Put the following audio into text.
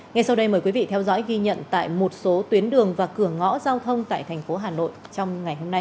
ngay sau đây mời quý vị theo dõi ghi nhận tại một số tuyến đường và cửa ngõ giao thông tại thành phố hà nội trong ngày hôm nay